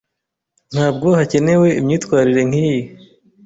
Ntabwo hakenewe imyitwarire nkiyi.